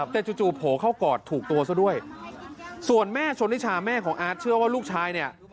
แต่จู่โผล่เข้ากอดถูกตัวซะด้วยส่วนแม่ชนนิชาแม่ของอาร์ตเชื่อว่าลูกชายเนี่ย